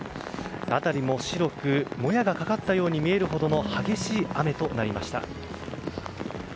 辺りも白くもやがかかったように見えるほどの激しい雨となりました。